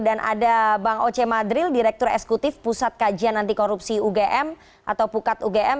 dan ada bang oce madril direktur esekutif pusat kajian antikorupsi ugm atau pukat ugm